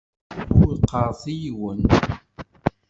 Ur qqaṛet i yiwen.